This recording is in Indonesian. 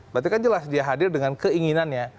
berarti kan jelas dia hadir dengan keinginannya